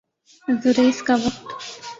Azores کا وقت